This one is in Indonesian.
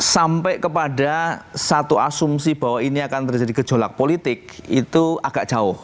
sampai kepada satu asumsi bahwa ini akan terjadi gejolak politik itu agak jauh